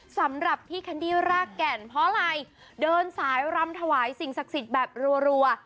สำหรับพี่แคนดี้รากแก่นเพราะอะไรเดินสายรำถวายสิ่งศักดิ์สิทธิ์แบบรัว